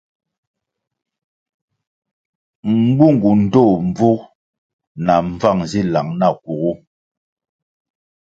Mbungu ndtoh mbvug na mbvang zi lang na kugu.